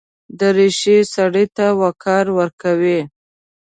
دریشي سړي ته وقار ورکوي.